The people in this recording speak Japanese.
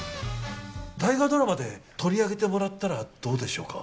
大河ドラマで取り上げてもらったらどうでしょうか。